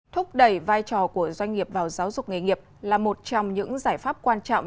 thúc đẩy vai trò của doanh nghiệp vào giáo dục nghề nghiệp là một trong những giải pháp quan trọng